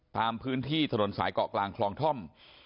ตามพื้นที่ถนนสายเกาะกลางคลองท่อม